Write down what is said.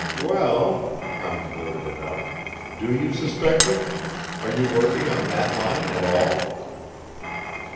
"Well!" Crown blurted it out. "Do you suspect him? Are you working on that line at all?"